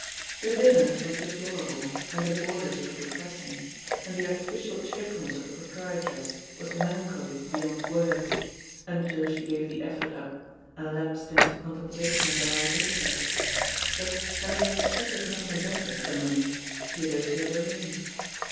The dinner was deplorable, and the boarders were depressing, and the arti ficial cheerfulness of the proprietress was melan choly beyond words, until she gave the eflFort up and lapsed into contemplation of her liabilities; but having expected nothing better for the money, Theodosia remained.